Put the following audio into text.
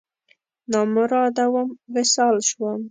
نامراده وم، وصال شوم